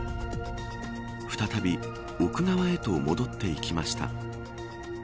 再び、奥側へと戻っていきました。